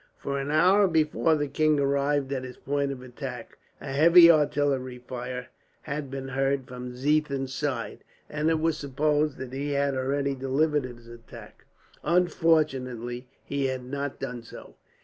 For an hour before the king arrived at his point of attack, a heavy artillery fire had been heard from Ziethen's side; and it was supposed that he had already delivered his attack. Unfortunately, he had not done so.